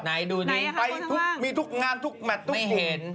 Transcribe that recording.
ไหนดูนิ้งไปมีทุกงานทุกแมตต์ไม่เห็น